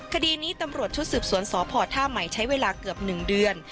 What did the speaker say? คดีนี้ตำรวจชุดสืบสวนสพท่าใหม่ใช้เวลาเกือบ๑เดือน